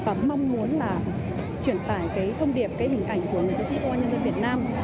và mong muốn là truyền tải cái thông điệp cái hình ảnh của người chiến sĩ công an nhân dân việt nam